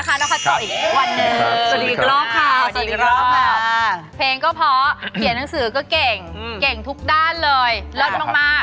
ก็คือจริงคือเคยมีคนสอนในเก่งเพื่อนนะครับ